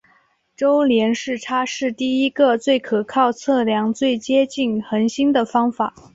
周年视差是第一个最可靠的测量最接近恒星的方法。